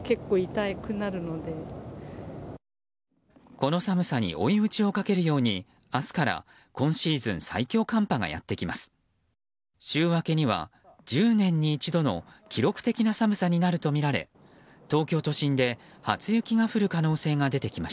この寒さに追い打ちをかけるように明日から、今シーズン最強寒波がやってきます。